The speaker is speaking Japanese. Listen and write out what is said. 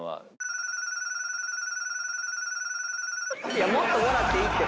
いやもっともらっていいって。